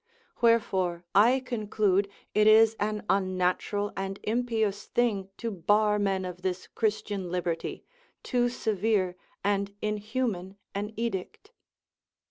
Wherefore I conclude it is an unnatural and impious thing to bar men of this Christian liberty, too severe and inhuman an edict.